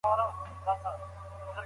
د قران لارښوونه روښانه ده.